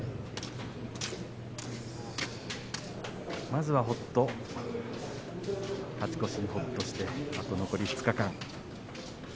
まずは勝ち越しにほっとしてあと残り２日間。